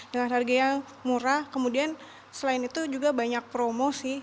dengan harga yang murah kemudian selain itu juga banyak promo sih